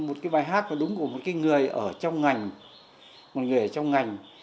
một cái bài hát đúng của một cái người ở trong ngành một người ở trong ngành